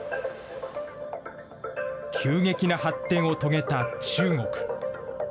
急激な発展を遂げた中国。